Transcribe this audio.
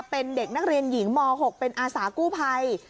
เป็นเด็กนักเรียนหญิงม๖เป็นอาสากู้ภัย